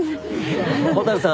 蛍さん